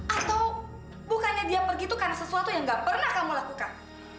atau bukannya dia pergi itu karena sesuatu yang gak pernah kamu lakukan